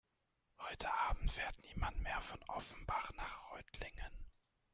Heute Abend fährt niemand mehr von Offenbach nach Reutlingen